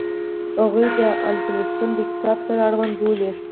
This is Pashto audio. هغوی د الفونستون د کتاب سره اړوند بولي.